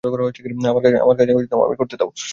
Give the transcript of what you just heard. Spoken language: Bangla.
আমার কাজ আমায় করতে দাও।